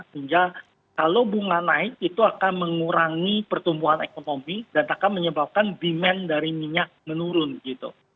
sehingga kalau bunga naik itu akan mengurangi pertumbuhan ekonomi dan akan menyebabkan demand dari minyak menurun gitu